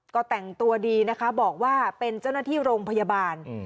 ก็แต่งตัวดีนะคะบอกว่าเป็นเจ้าหน้าที่โรงพยาบาล